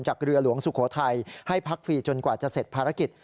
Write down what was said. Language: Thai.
เรือหลวงสุโขทัยให้พักฟรีจนกว่าจะเสร็จภารกิจ